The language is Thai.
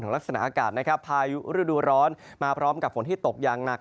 ลักษณะอากาศนะครับพายุฤดูร้อนมาพร้อมกับฝนที่ตกอย่างหนัก